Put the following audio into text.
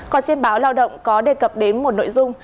còn trên báo lao động có đề cập đến một nội dung